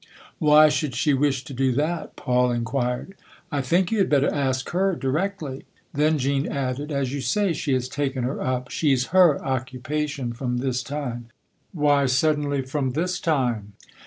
"Why should she wish to do that?" Paul inquired. " I think you had better ask her directly." Then 234 THE OTHER HOUSE Jean added :" As you say, she has taken her up. She's her occupation, from this time." " Why, suddenly, from this time